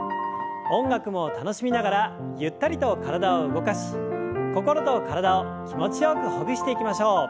音楽も楽しみながらゆったりと体を動かし心と体を気持ちよくほぐしていきましょう。